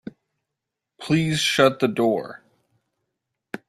Please shut the door.